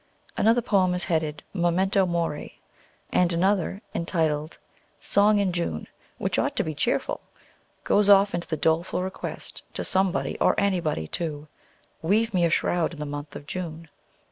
Another poem is headed "Memento Mori;" and another, entitled a "Song in June," which ought to be cheerful, goes off into the doleful request to somebody, or anybody, to Weave me a shroud in the month of June!